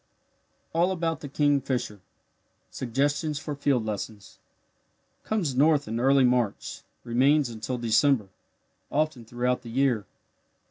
ALL ABOUT THE KINGFISHER SUGGESTIONS FOR FIELD LESSONS Comes north in early March remains until December, often throughout the year.